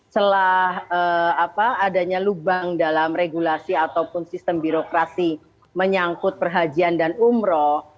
celah adanya lubang dalam regulasi ataupun sistem birokrasi menyangkut perhajian dan umroh